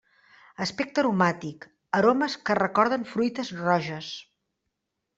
Aspecte aromàtic: aromes que recorden fruites roges.